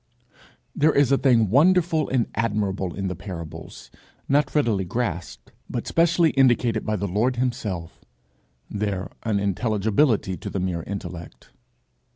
There is a thing wonderful and admirable in the parables, not readily grasped, but specially indicated by the Lord himself their unintelligibility to the mere intellect.